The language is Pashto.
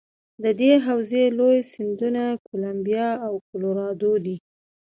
د دې حوزې لوی سیندونه کلمبیا او کلورادو دي.